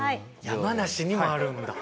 山梨にもあるんだ。